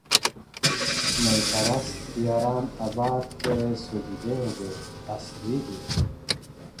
• می پرست یاران اباد کړې، سجدې یې بې اسرې دي.